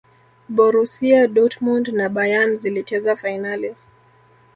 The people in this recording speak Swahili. borusia dortmund na bayern zilicheza fainali